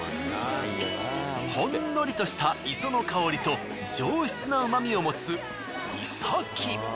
ほんのりとした磯の香りと上質な旨みを持つイサキ。